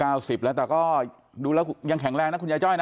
แล้วแต่ก็ดูแล้วยังแข็งแรงนะคุณยายจ้อยนะ